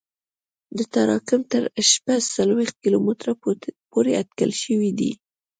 دا تراکم تر شپږ څلوېښت کیلومتره پورې اټکل شوی دی